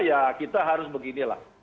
ya kita harus beginilah